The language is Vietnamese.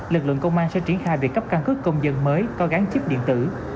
lực lượng công an sẽ triển khai đề cấp căn cứ công dân mới có gắn chip điện tử